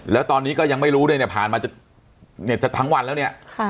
แล้วตอนนี้ก็ยังไม่รู้ด้วยเนี่ยผ่านมาเนี่ยจะทั้งวันแล้วเนี่ย